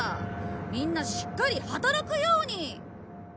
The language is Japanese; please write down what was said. みんなしっかり働くように。